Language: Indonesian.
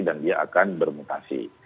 dan dia akan bermutasi